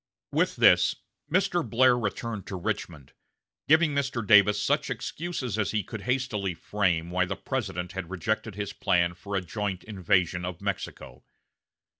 With this, Mr. Blair returned to Richmond, giving Mr. Davis such excuses as he could hastily frame why the President had rejected his plan for a joint invasion of Mexico.